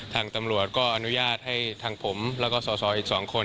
ทางตำรวจก็อนุญาตให้ทางผมแล้วก็สอสออีก๒คน